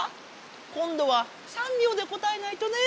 こんどは３びょうで答えないとねえ。